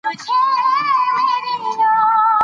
د افغانستان جلکو د افغانانو د معیشت سرچینه ده.